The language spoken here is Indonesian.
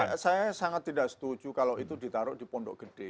ya saya sangat tidak setuju kalau itu ditaruh di pondok gede